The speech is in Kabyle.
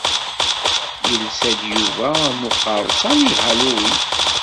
Yelsa-d Yuba am uqeṛṣan i Halloween.